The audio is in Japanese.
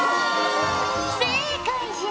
正解じゃ。